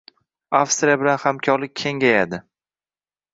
Avstriya bilan hamkorlik kengayading